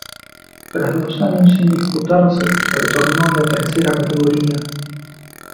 Tras dos años sin disputarse retornó la tercera categoría.